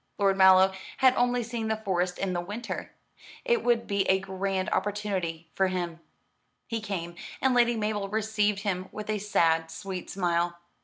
Lord Mallow had only seen the Forest in the winter. It would be a grand opportunity for him. He came, and Lady Mabel received him with a sad sweet smile.